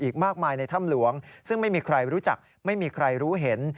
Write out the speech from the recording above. อีกมากมายในถ้ำหลวงซึ่งไม่มีใครรู้จักไม่มีใครรู้เห็น